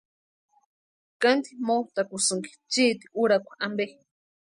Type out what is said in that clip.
¿Kánti motʼakusïnki chiiti úrakwa ampe?